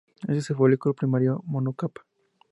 Este es el folículo Primario monocapa.